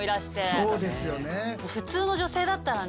そうですよね。